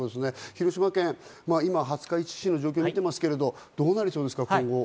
広島県、今、廿日市市の状況が出てますけれど、どうなりそうですか？